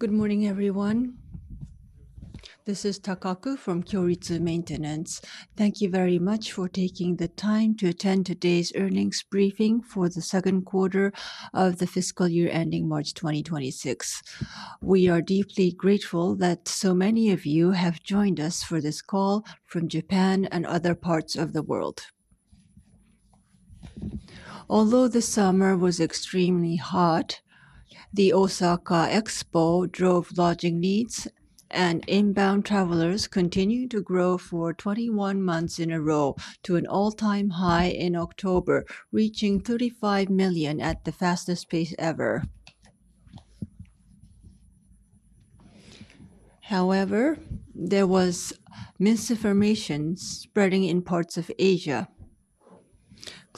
Good morning, everyone. This is Takaku from Kyoritsu Maintenance. Thank you very much for taking the time to attend today's earnings briefing for the second quarter of the fiscal year ending March 2026. We are deeply grateful that so many of you have joined us for this call from Japan and other parts of the world. Although the summer was extremely hot, the Osaka Expo drove lodging needs, and inbound travelers continued to grow for 21 months in a row to an all-time high in October, reaching 35 million at the fastest pace ever. However, there were misinformations spreading in parts of Asia,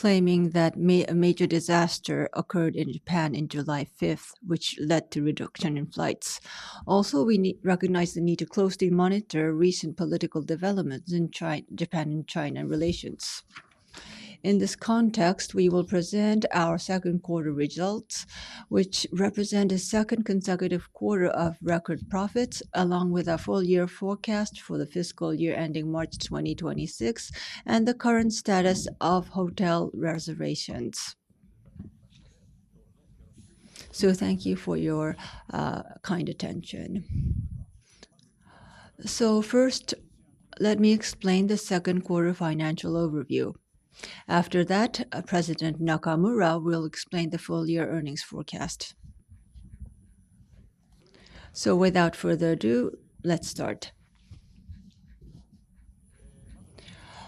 claiming that a major disaster occurred in Japan on July 5th, which led to a reduction in flights. Also, we recognize the need to closely monitor recent political developments in Japan and China relations. In this context, we will present our second quarter results, which represent a second consecutive quarter of record profits, along with a full-year forecast for the fiscal year ending March 2026 and the current status of hotel reservations. Thank you for your kind attention. First, let me explain the second quarter financial overview. After that, President Nakamura will explain the full-year earnings forecast. Without further ado, let's start.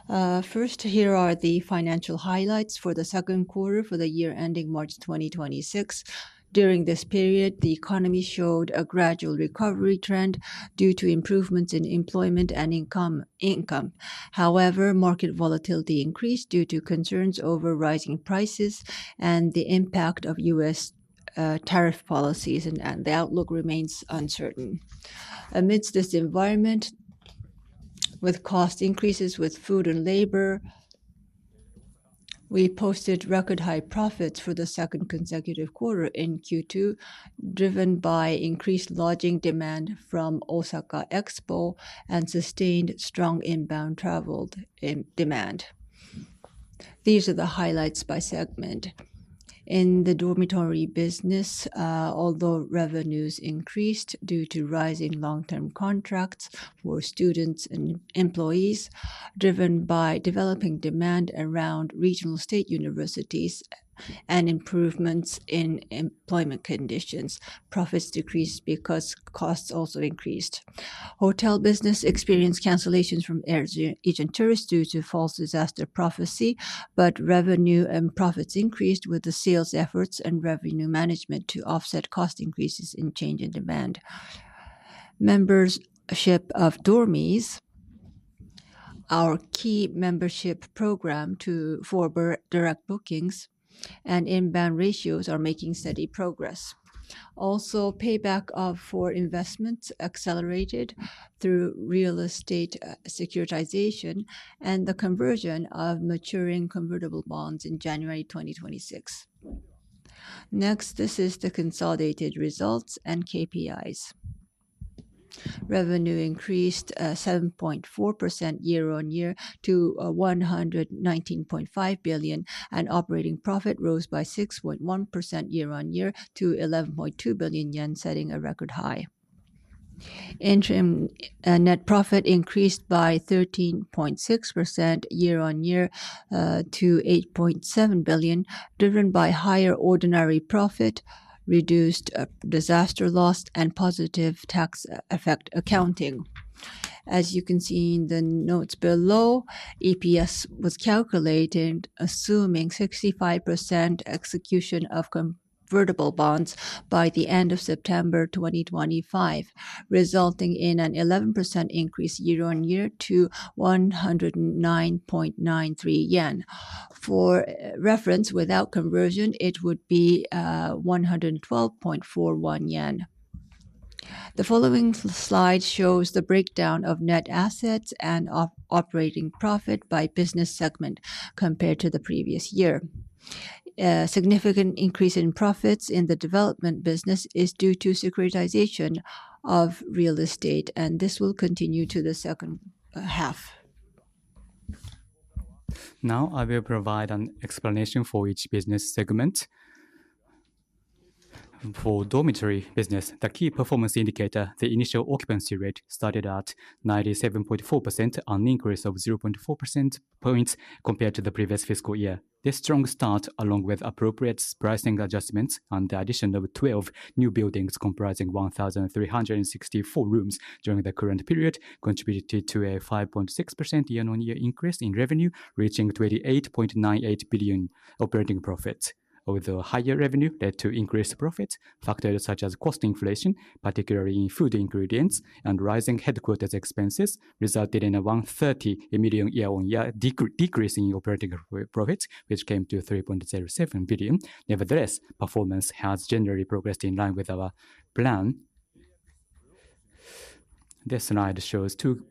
Here are the financial highlights for the second quarter for the year ending March 2026. During this period, the economy showed a gradual recovery trend due to improvements in employment and income. However, market volatility increased due to concerns over rising prices and the impact of U.S. tariff policies, and the outlook remains uncertain. Amidst this environment, with cost increases with food and labor, we posted record-high profits for the second consecutive quarter in Q2, driven by increased lodging demand from Osaka Expo and sustained strong inbound travel demand. These are the highlights by segment. In the dormitory business, although revenues increased due to rising long-term contracts for students and employees, driven by developing demand around regional state universities and improvements in employment conditions, profits decreased because costs also increased. Hotel business experienced cancellations from Asian tourists due to false disaster prophecy, but revenue and profits increased with the sales efforts and revenue management to offset cost increases and change in demand. Membership of Dormy's, our key membership program for direct bookings and inbound ratios, are making steady progress. Also, payback of foreign investments accelerated through real estate securitization and the conversion of maturing convertible bonds in January 2026. Next, this is the consolidated results and KPIs. Revenue increased 7.4% year-on-year to 119.5 billion, and operating profit rose by 6.1% year-on-year to 11.2 billion yen, setting a record high. Net profit increased by 13.6% year-on-year to 8.7 billion, driven by higher ordinary profit, reduced disaster loss, and positive tax-effect accounting. As you can see in the notes below, EPS was calculated, assuming 65% execution of convertible bonds by the end of September 2025, resulting in an 11% increase year-on-year to 109.93 yen. For reference, without conversion, it would be 112.41 yen. The following slide shows the breakdown of net assets and operating profit by business segment compared to the previous year. A significant increase in profits in the development business is due to securitization of real estate, and this will continue to the second half. Now, I will provide an explanation for each business segment. For dormitory business, the key performance indicator, the initial occupancy rate, started at 97.4%, an increase of 0.4% points compared to the previous fiscal year. This strong start, along with appropriate pricing adjustments and the addition of 12 new buildings comprising 1,364 rooms during the current period, contributed to a 5.6% year-on-year increase in revenue, reaching 28.98 billion. Although higher revenue led to increased profits, factors such as cost inflation, particularly in food ingredients and rising headquarters expenses, resulted in a 130 million year-on-year decrease in operating profits, which came to 3.07 billion. Nevertheless, performance has generally progressed in line with our plan. This slide shows two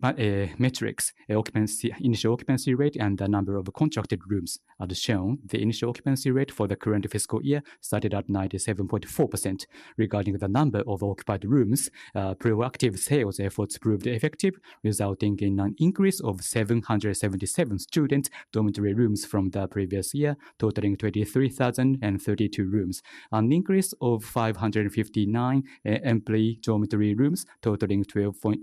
metrics: the initial occupancy rate and the number of contracted rooms are shown. The initial occupancy rate for the current fiscal year started at 97.4%. Regarding the number of occupied rooms, proactive sales efforts proved effective, resulting in an increase of 777 student dormitory rooms from the previous year, totaling 23,032 rooms, an increase of 559 employee dormitory rooms, totaling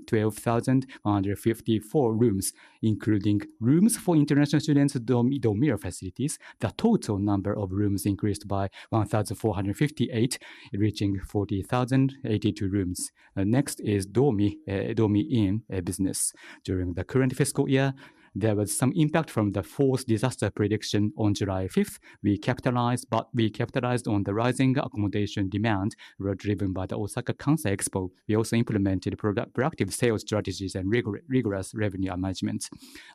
12,154 rooms, including rooms for international students' dormitory facilities. The total number of rooms increased by 1,458, reaching 40,082 rooms. Next is Dormy Inn business. During the current fiscal year, there was some impact from the false disaster prediction on July 5. We capitalized on the rising accommodation demand driven by the Osaka Kansai Expo. We also implemented proactive sales strategies and rigorous revenue management.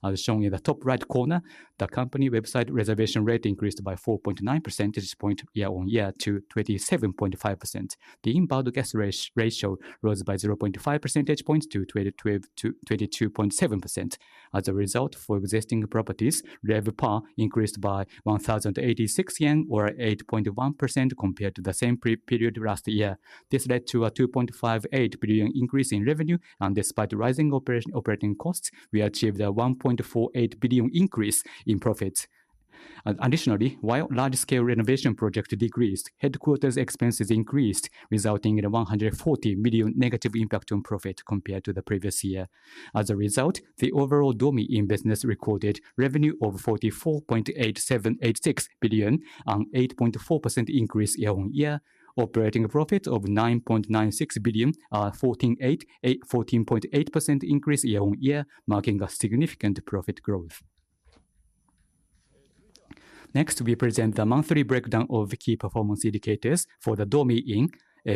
As shown in the top right corner, the company website reservation rate increased by 4.9 percentage points year-on-year to 27.5%. The inbound guest ratio rose by 0.5 percentage points to 22.7%. As a result, for existing properties, RevPAR increased by 1,086 yen, or 8.1%, compared to the same period last year. This led to a 2.58 billion increase in revenue, and despite rising operating costs, we achieved a 1.48 billion increase in profits. Additionally, while large-scale renovation projects decreased, headquarters expenses increased, resulting in a 140 million negative impact on profit compared to the previous year. As a result, the overall Dormy Inn business recorded revenue of 44.8786 billion, an 8.4% increase year-on-year, operating profits of 9.96 billion, a 14.8% increase year-on-year, marking a significant profit growth. Next, we present the monthly breakdown of key performance indicators for the Dormy Inn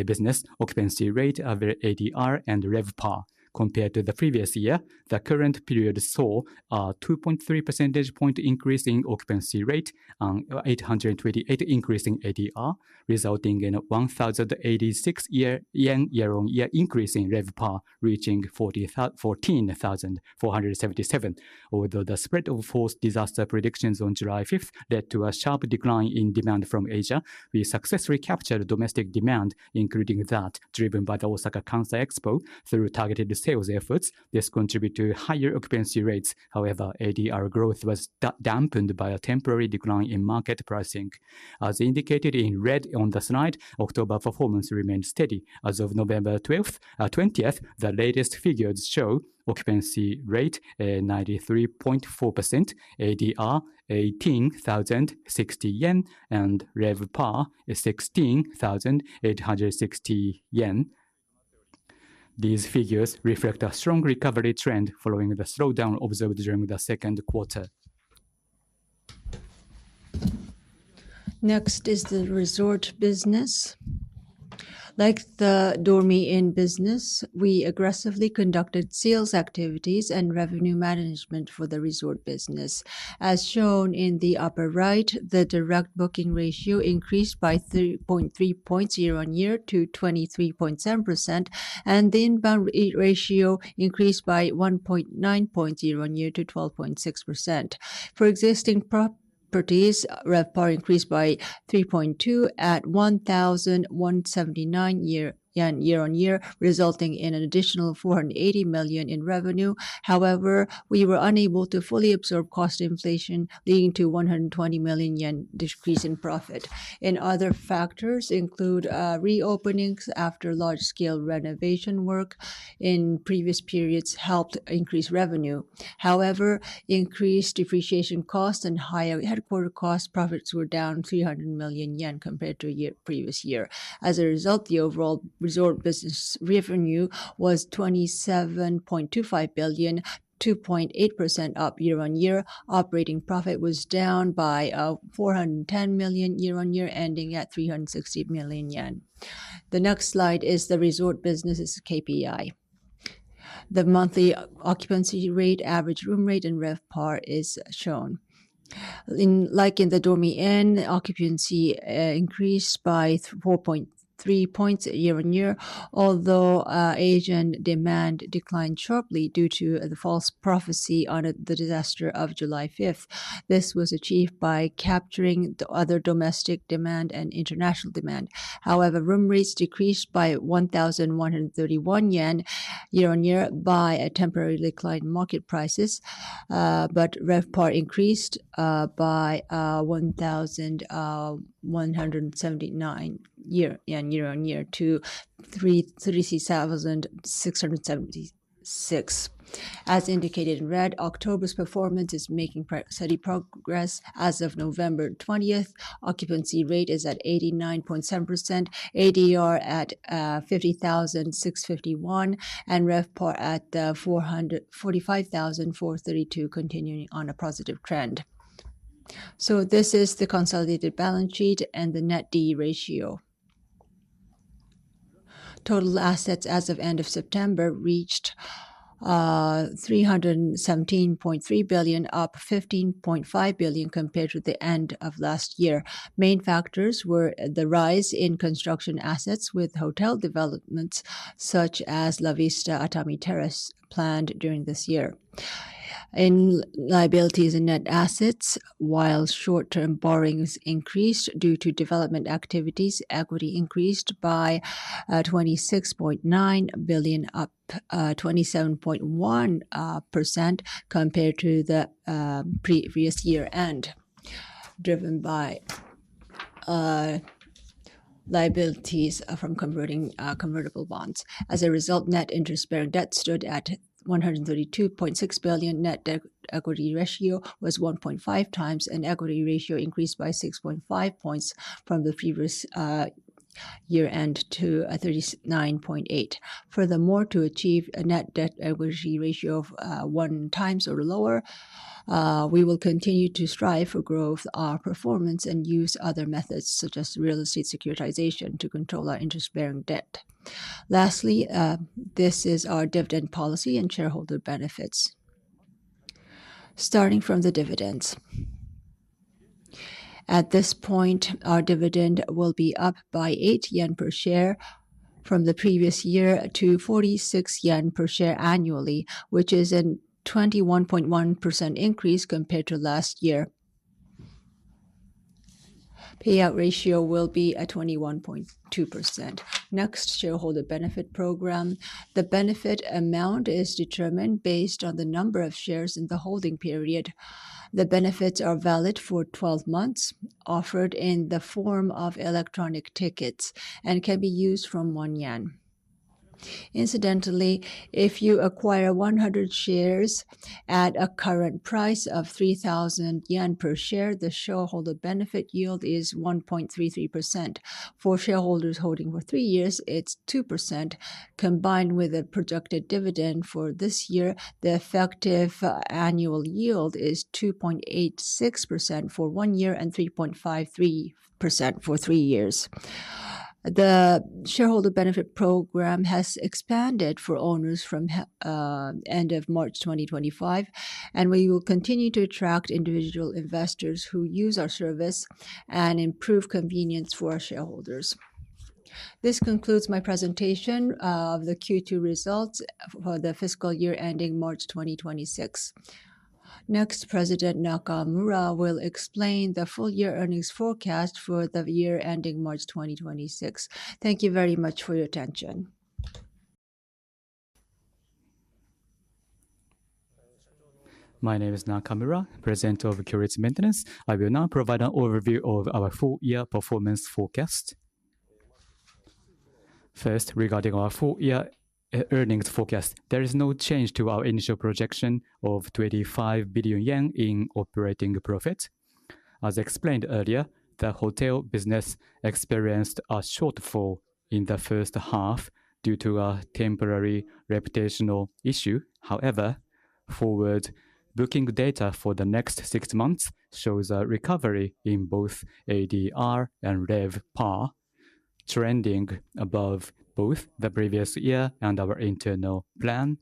business: occupancy rate, ADR, and RevPAR. Compared to the previous year, the current period saw a 2.3 percentage point increase in occupancy rate and 828 increase in ADR, resulting in a 1,086 yen year-on-year increase in RevPAR, reaching 14,477. Although the spread of false disaster predictions on July 5th led to a sharp decline in demand from Asia, we successfully captured domestic demand, including that driven by the Osaka Kansai Expo through targeted sales efforts. This contributed to higher occupancy rates. However, ADR growth was dampened by a temporary decline in market pricing. As indicated in red on the slide, October performance remained steady. As of November 20th, the latest figures show occupancy rate 93.4%, ADR 18,060 yen, and RevPAR 16,860 yen. These figures reflect a strong recovery trend following the slowdown observed during the second quarter. Next is the resort business. Like the Dormy Inn business, we aggressively conducted sales activities and revenue management for the resort business. As shown in the upper right, the direct booking ratio increased by 3.3 percentage points year-on-year to 23.7%, and the inbound ratio increased by 1.9 percentage points year-on-year to 12.6%. For existing properties, RevPAR increased by 3.2 at 1,179 year-on-year, resulting in an additional 480 million in revenue. However, we were unable to fully absorb cost inflation, leading to a 120 million yen decrease in profit. Other factors include re-openings after large-scale renovation work in previous periods that helped increase revenue. However, increased depreciation costs and higher headquarter costs, profits were down 300 million yen compared to the previous year. As a result, the overall resort business revenue was 27.25 billion, 2.8% up year-on-year. Operating profit was down by 410 million year-on-year, ending at 360 million yen. The next slide is the resort business' KPI. The monthly occupancy rate, average room rate, and RevPAR are shown. Like in the Dormy Inn, occupancy increased by 4.3 percentage points year-on-year, although Asian demand declined sharply due to the false prophecy on the disaster of July 5th. This was achieved by capturing other domestic demand and international demand. However, room rates decreased by 1,131 yen year-on-year by a temporary decline in market prices, but RevPAR increased by 1,179 year-on-year to 36,676. As indicated in red, October's performance is making steady progress. As of November 20th, occupancy rate is at 89.7%, ADR at 50,651, and RevPAR at 45,432, continuing on a positive trend. This is the consolidated balance sheet and the net debt-equity ratio. Total assets as of the end of September reached 317.3 billion, up 15.5 billion compared to the end of last year. Main factors were the rise in construction assets with hotel developments such as La Vista Atami Terrace planned during this year. In liabilities and net assets, while short-term borrowings increased due to development activities, equity increased by 26.9 billion, up 27.1% compared to the previous year-end, driven by liabilities from convertible bonds. As a result, net interest-bearing debt stood at 132.6 billion. Net debt-equity ratio was 1.5x, and equity ratio increased by 6.5 percentage points from the previous year-end to 39.8%. Furthermore, to achieve a net debt-equity ratio of 1 time or lower, we will continue to strive for growth, our performance, and use other methods such as real estate securitization to control our interest-bearing debt. Lastly, this is our dividend policy and shareholder benefits. Starting from the dividends, at this point, our dividend will be up by 8 yen per share from the previous year to 46 yen per share annually, which is a 21.1% increase compared to last year. Payout ratio will be 21.2%. Next, shareholder benefit program. The benefit amount is determined based on the number of shares in the holding period. The benefits are valid for 12 months, offered in the form of electronic tickets, and can be used from 1 yen. Incidentally, if you acquire 100 shares at a current price of 3,000 yen per share, the shareholder benefit yield is 1.33%. For shareholders holding for three years, it's 2%. Combined with the projected dividend for this year, the effective annual yield is 2.86% for one year and 3.53% for three years. The shareholder benefit program has expanded for owners from the end of March 2025, and we will continue to attract individual investors who use our service and improve convenience for our shareholders. This concludes my presentation of the Q2 results for the fiscal year ending March 2026. Next, President Nakamura will explain the full year earnings forecast for the year ending March 2026. Thank you very much for your attention. My name is Nakamura, President of Kyoritsu Maintenance. I will now provide an overview of our full year performance forecast. First, regarding our full year earnings forecast, there is no change to our initial projection of 25 billion yen in operating profits. As explained earlier, the hotel business experienced a shortfall in the first half due to a temporary reputational issue. However, forward booking data for the next six months shows a recovery in both ADR and RevPAR, trending above both the previous year and our internal plan.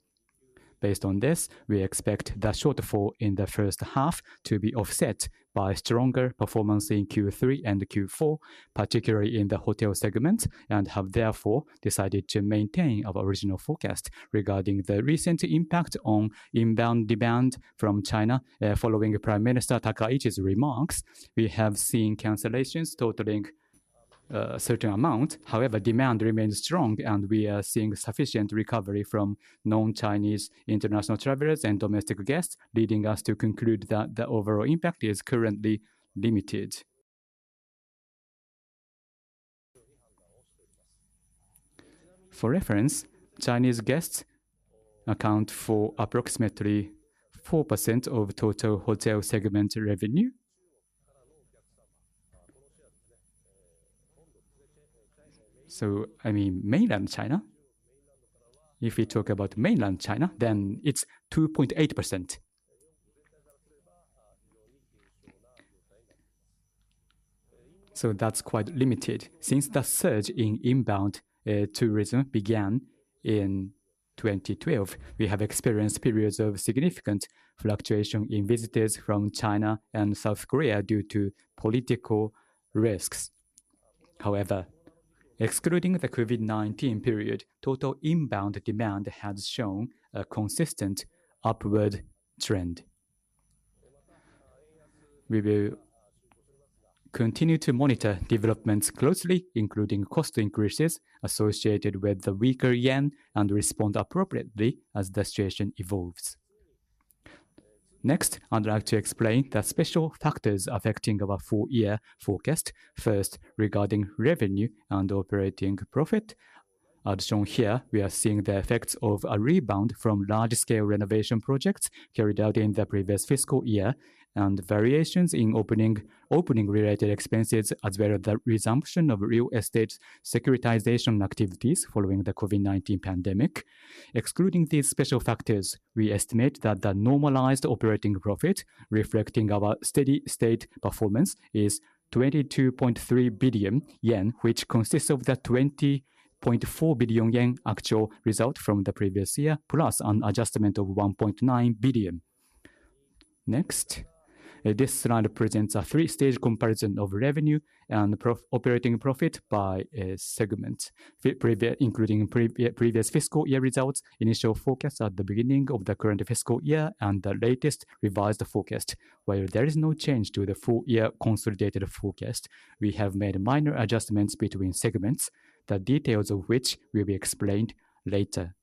Based on this, we expect the shortfall in the first half to be offset by stronger performance in Q3 and Q4, particularly in the hotel segment, and have therefore decided to maintain our original forecast. Regarding the recent impact on inbound demand from China, following Prime Minister Takaichi's remarks, we have seen cancellations totaling a certain amount. However, demand remains strong, and we are seeing sufficient recovery from non-Chinese international travelers and domestic guests, leading us to conclude that the overall impact is currently limited. For reference, Chinese guests account for approximately 4% of total hotel segment revenue. I mean, mainland China. If we talk about mainland China, then it's 2.8%. That's quite limited. Since the surge in inbound tourism began in 2012, we have experienced periods of significant fluctuation in visitors from China and South Korea due to political risks. However, excluding the COVID-19 period, total inbound demand has shown a consistent upward trend. We will continue to monitor developments closely, including cost increases associated with the weaker yen, and respond appropriately as the situation evolves. Next, I'd like to explain the special factors affecting our full year forecast. First, regarding revenue and operating profit. As shown here, we are seeing the effects of a rebound from large-scale renovation projects carried out in the previous fiscal year, and variations in opening-related expenses, as well as the resumption of real estate securitization activities following the COVID-19 pandemic. Excluding these special factors, we estimate that the normalized operating profit, reflecting our steady state performance, is 22.3 billion yen, which consists of the 20.4 billion yen actual result from the previous year, plus an adjustment of 1.9 billion. Next, this slide presents a three-stage comparison of revenue and operating profit by segment, including previous fiscal year results, initial forecast at the beginning of the current fiscal year, and the latest revised forecast. While there is no change to the full year consolidated forecast, we have made minor adjustments between segments, the details of which will be explained later.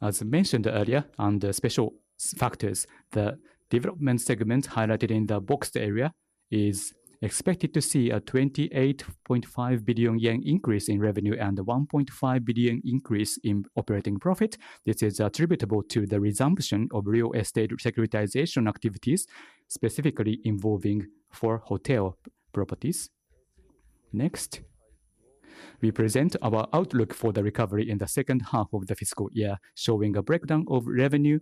As mentioned earlier, under special factors, the development segment highlighted in the boxed area is expected to see a 28.5 billion yen increase in revenue and a 1.5 billion increase in operating profit. This is attributable to the resumption of real estate securitization activities, specifically involving four hotel properties. Next, we present our outlook for the recovery in the second half of the fiscal year, showing a breakdown of revenue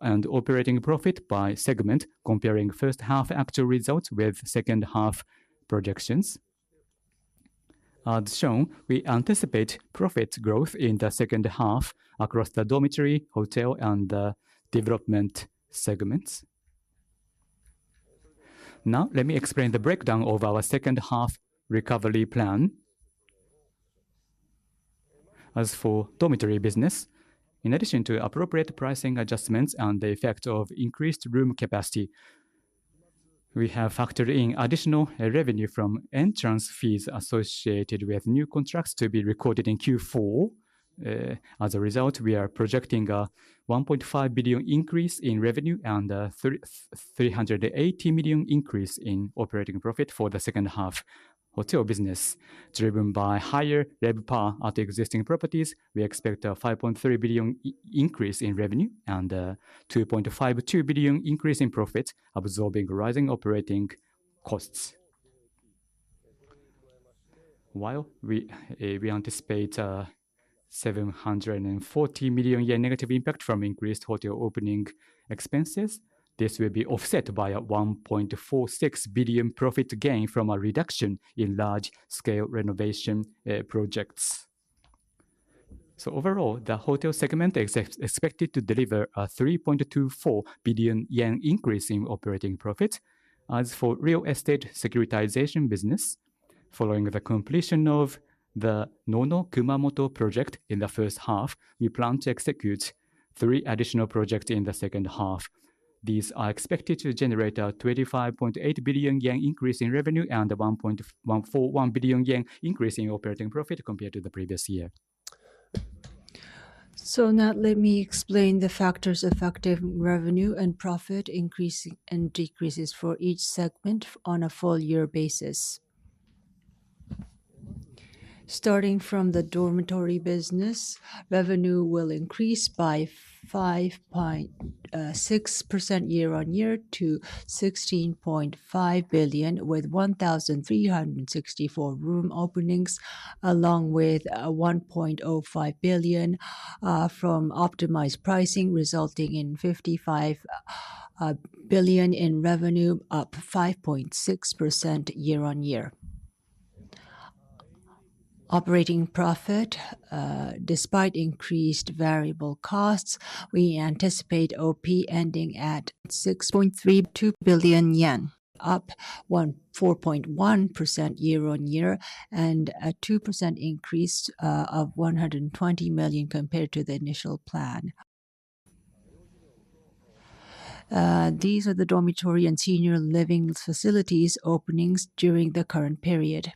and operating profit by segment, comparing first-half actual results with second-half projections. As shown, we anticipate profit growth in the second half across the dormitory, hotel, and development segments. Now, let me explain the breakdown of our second-half recovery plan. As for dormitory business, in addition to appropriate pricing adjustments and the effect of increased room capacity, we have factored in additional revenue from entrance fees associated with new contracts to be recorded in Q4. As a result, we are projecting a 1.5 billion increase in revenue and a 380 million increase in operating profit for the second-half hotel business. Driven by higher RevPAR at existing properties, we expect a 5.3 billion increase in revenue and a 2.52 billion increase in profit, absorbing rising operating costs. While we anticipate a 740 million yen negative impact from increased hotel opening expenses, this will be offset by a 1.46 billion profit gain from a reduction in large-scale renovation projects. Overall, the hotel segment is expected to deliver a 3.24 billion yen increase in operating profit. As for the real estate securitization business, following the completion of the Nono Kumamoto project in the first half, we plan to execute three additional projects in the second half. These are expected to generate a 25.8 billion yen increase in revenue and a 1.41 billion yen increase in operating profit compared to the previous year. Now let me explain the factors affecting revenue and profit increases and decreases for each segment on a full year basis. Starting from the dormitory business, revenue will increase by 5.6% year-on-year to 16.5 billion, with 1,364 room openings, along with 1.05 billion from optimized pricing, resulting in 55 billion in revenue, up 5.6% year-on-year. Operating profit, despite increased variable costs, we anticipate OP ending at 6.32 billion yen, up 4.1% year-on-year and a 2% increase of 120 million compared to the initial plan. These are the dormitory and senior living facilities openings during the current period.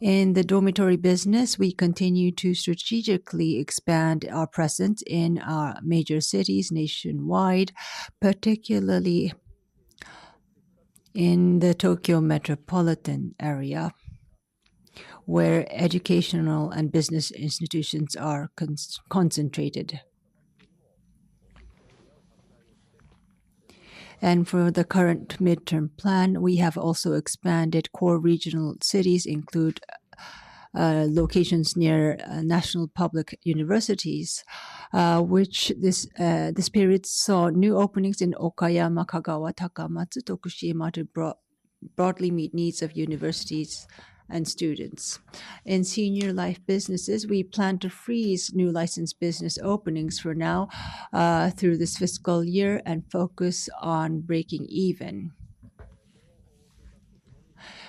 In the dormitory business, we continue to strategically expand our presence in our major cities nationwide, particularly in the Tokyo Metropolitan Area, where educational and business institutions are concentrated. For the current midterm plan, we have also expanded core regional cities, including locations near national public universities, which this period saw new openings in Okayama, Kagawa, Takamatsu, and Tokushima, to broadly meet needs of universities and students. In senior life businesses, we plan to freeze new licensed business openings for now through this fiscal year and focus on breaking even.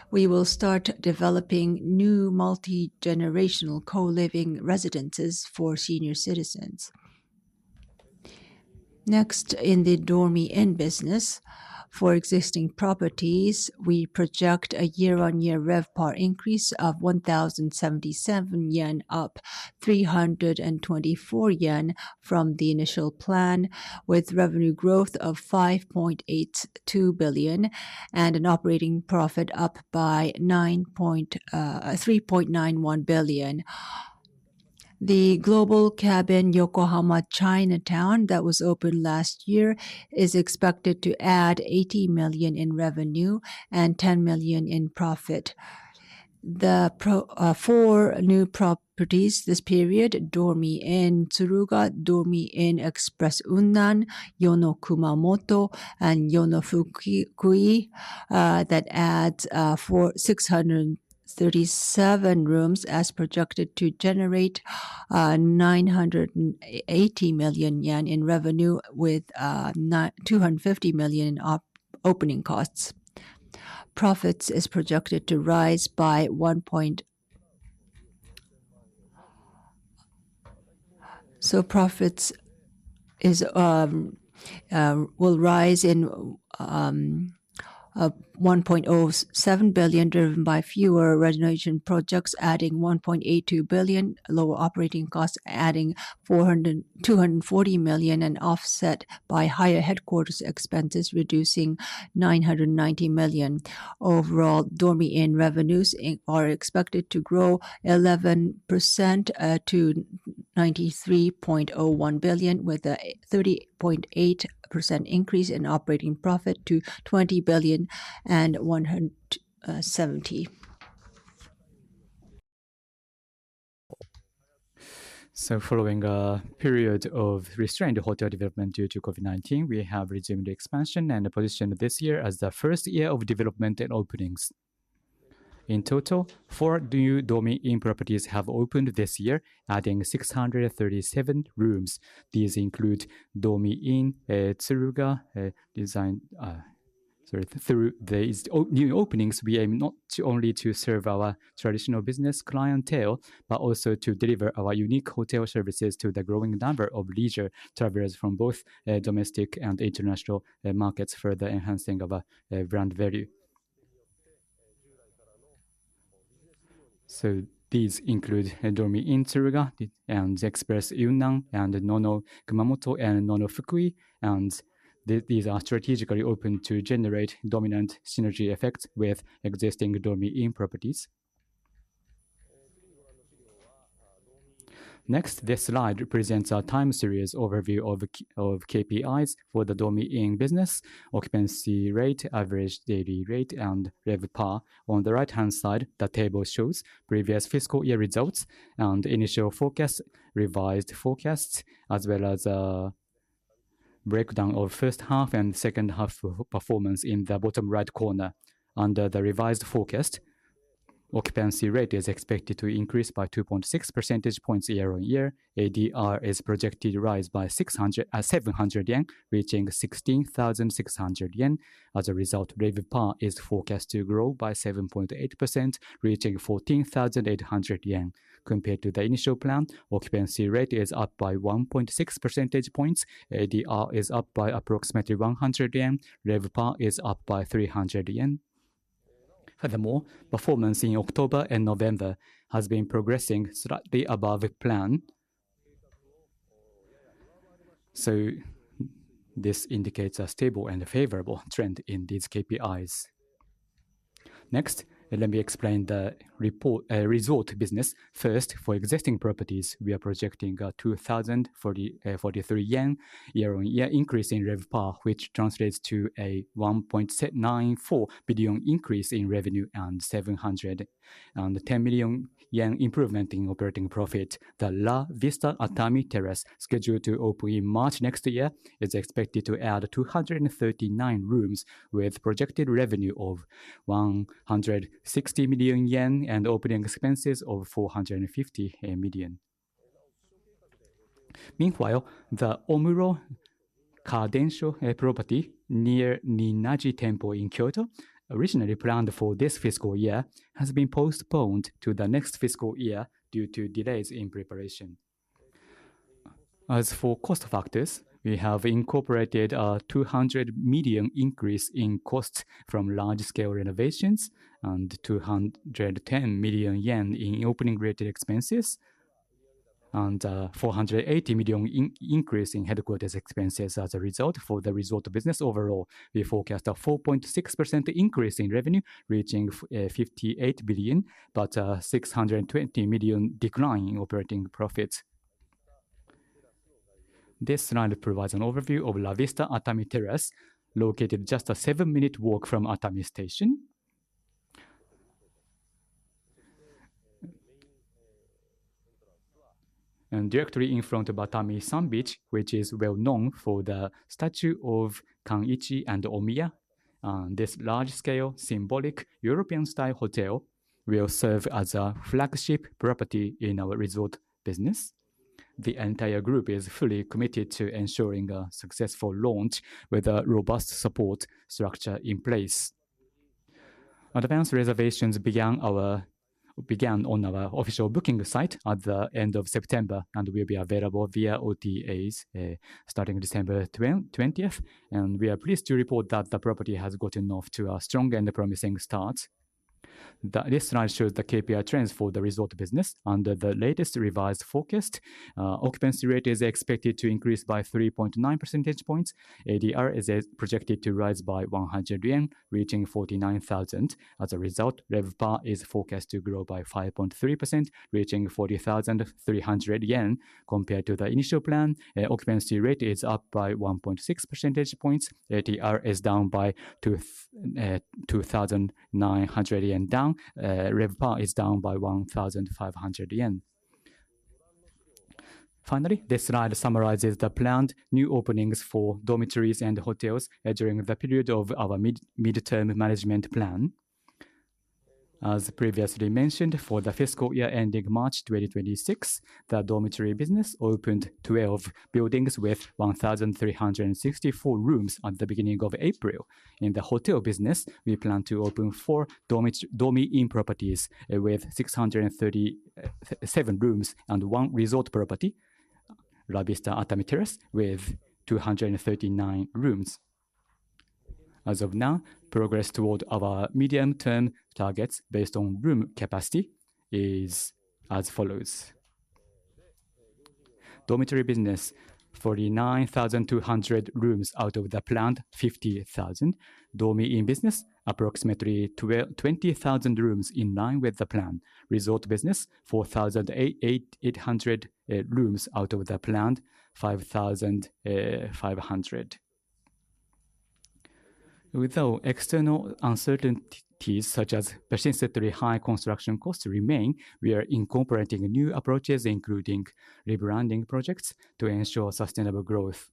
We will start developing new multi-generational co-living residences for senior citizens. Next, in the Dormy Inn business, for existing properties, we project a year-on-year RevPAR increase of 1,077 yen, up 324 yen from the initial plan, with revenue growth of 5.82 billion and an operating profit up by 3.91 billion. The Global Cabin Yokohama Chinatown that was opened last year is expected to add 80 million in revenue and 10 million in profit. The four new properties this period, Dormy Inn Tsuruga, Dormy Inn Express Unnan, Nono Kumamoto, and Nono Fukui, that add 637 rooms, are projected to generate 980 million yen in revenue, with 250 million in opening costs. Profits are projected to rise by one point. Profits will rise in 1.07 billion, driven by fewer renovation projects, adding 1.82 billion, lower operating costs, adding 240 million, and offset by higher headquarters expenses, reducing 990 million. Overall, Dormy Inn revenues are expected to grow 11% to 93.01 billion, with a 30.8% increase in operating profit to 20 billion and 170. Following a period of restrained hotel development due to COVID-19, we have resumed expansion and positioned this year as the first year of development and openings. In total, four new Dormy Inn properties have opened this year, adding 637 rooms. These include Dormy Inn Tsuruga design. Sorry. Through these new openings, we aim not only to serve our traditional business clientele, but also to deliver our unique hotel services to the growing number of leisure travelers from both domestic and international markets, further enhancing our brand value. These include Dormy Inn Tsuruga and Dormy Inn Express Unnan, and Nono Kumamoto and Nono Fukui, and these are strategically opened to generate dominant synergy effects with existing Dormy Inn properties. Next, this slide presents a time series overview of KPIs for the Dormy Inn business: occupancy rate, average daily rate, and RevPAR. On the right-hand side, the table shows previous fiscal year results and initial forecasts, revised forecasts, as well as a breakdown of first half and second half performance in the bottom right corner. Under the revised forecast, occupancy rate is expected to increase by 2.6 percentage points year-on-year. ADR is projected to rise by 700 yen, reaching 16,600 yen. As a result, RevPAR is forecast to grow by 7.8%, reaching 14,800 yen. Compared to the initial plan, occupancy rate is up by 1.6 percentage points. ADR is up by approximately 100 yen. RevPAR is up by 300 yen. Furthermore, performance in October and November has been progressing slightly above plan. This indicates a stable and favorable trend in these KPIs. Next, let me explain the result business. First, for existing properties, we are projecting a 2,043 yen year-on-year increase in RevPAR, which translates to a 1.94 billion increase in revenue and 710 million yen improvement in operating profit. The La Vista Atami Terrace, scheduled to open in March next year, is expected to add 239 rooms, with projected revenue of 160 million yen and opening expenses of 450 million. Meanwhile, the Omuro Kadensho property near Ninna-ji Temple in Kyoto, originally planned for this fiscal year, has been postponed to the next fiscal year due to delays in preparation. As for cost factors, we have incorporated a 200 million increase in costs from large-scale renovations and 210 million yen in opening-related expenses and a 480 million increase in headquarters expenses. As a result, for the resort business overall, we forecast a 4.6% increase in revenue, reaching 58 billion, but a 620 million decline in operating profits. This slide provides an overview of La Vista Atami Terrace, located just a seven-minute walk from Atami Station. Directly in front of Atami Sun Beach, which is well-known for the statue of Kan'ichi and Omiya, this large-scale, symbolic European-style hotel will serve as a flagship property in our resort business. The entire group is fully committed to ensuring a successful launch with a robust support structure in place. Advanced reservations began on our official booking site at the end of September and will be available via OTAs starting December 20th. We are pleased to report that the property has gotten off to a strong and promising start. This slide shows the KPI trends for the resort business. Under the latest revised forecast, occupancy rate is expected to increase by 3.9 percentage points. ADR is projected to rise by 100 yen, reaching 49,000. As a result, RevPAR is forecast to grow by 5.3%, reaching 40,300 yen. Compared to the initial plan, occupancy rate is up by 1.6 percentage points. ADR is down by 2,900 yen. RevPAR is down by 1,500 yen. Finally, this slide summarizes the planned new openings for dormitories and hotels during the period of our midterm management plan. As previously mentioned, for the fiscal year ending March 2026, the dormitory business opened 12 buildings with 1,364 rooms at the beginning of April. In the hotel business, we plan to open four Dormy Inn properties with 637 rooms and one resort property, La Vista Atami Terrace with 239 rooms. As of now, progress toward our medium-term targets based on room capacity is as follows. Dormitory business, 49,200 rooms out of the planned 50,000. Dormy Inn business, approximately 20,000 rooms in line with the plan. Resort business, 4,800 rooms out of the planned 5,500. With external uncertainties such as persistently high construction costs remaining, we are incorporating new approaches, including rebranding projects, to ensure sustainable growth.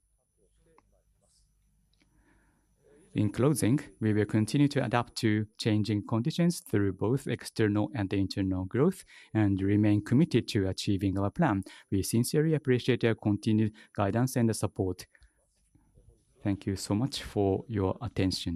In closing, we will continue to adapt to changing conditions through both external and internal growth and remain committed to achieving our plan. We sincerely appreciate your continued guidance and support. Thank you so much for your attention.